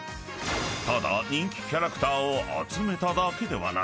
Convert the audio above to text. ［ただ人気キャラクターを集めただけではない］